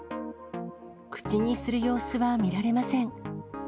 口にする様子は見られません。